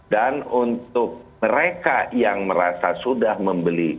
dan untuk mereka yang merasa sudah membeli